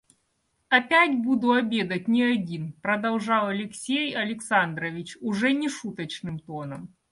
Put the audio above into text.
Опять буду обедать не один, — продолжал Алексей Александрович уже не шуточным тоном.